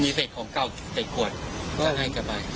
อ๋อมีเศษของเก้าเศษกวนจะให้กลับไป